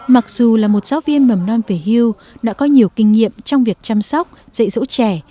mặc dù là một giáo viên mầm non về hưu đã có nhiều kinh nghiệm trong việc chăm sóc dạy dỗ trẻ